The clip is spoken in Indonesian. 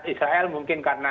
israel mungkin karena